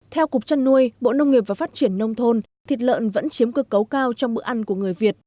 theo cục trăn nuôi bộ nông nghiệp và phát triển nông thôn thịt lợn vẫn chiếm cơ cấu cao trong bữa ăn của người việt